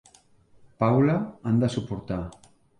Paula han de suportar.